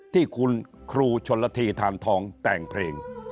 ที่คุณครูชนละทีทานทองแต่งเพลง